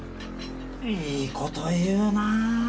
いい事言うなあ！